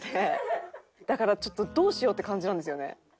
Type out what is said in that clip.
だからちょっとどうしようって感じなんですよね。